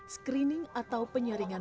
screening atau penyaringan